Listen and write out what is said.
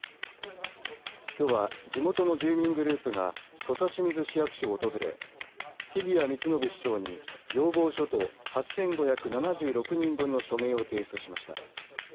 きょうは地元の住民グループが土佐清水市役所を訪れ泥谷光信市長に要望書と８５７６人分の署名を提出しました。